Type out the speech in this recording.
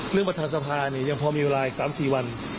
เรื่องประธานสภาเนี่ยยังพอมีเวลาอีก๓๔วัน